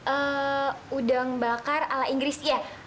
eh udang bakar ala inggris ya